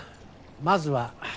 まずは。